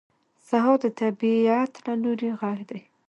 سهار د طبیعت له لوري غږ دی.